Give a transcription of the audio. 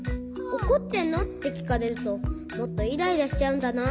「おこってんの？」ってきかれるともっとイライラしちゃうんだな。